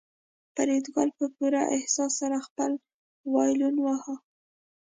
فریدګل په پوره احساس سره خپل وایلون واهه